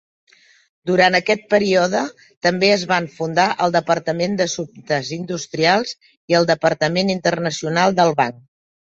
Durant aquest període també es van fundar el departament d'assumptes industrials i el departament internacional del banc.